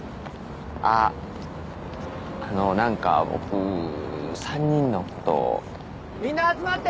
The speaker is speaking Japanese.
あっあのなんか僕３人のことみんな集まって！